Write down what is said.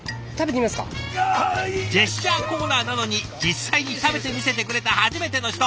ジェスチャーコーナーなのに実際に食べてみせてくれた初めての人。